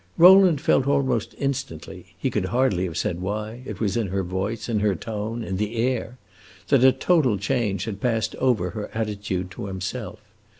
Rowland felt almost instantly he could hardly have said why: it was in her voice, in her tone, in the air that a total change had passed over her attitude towards himself.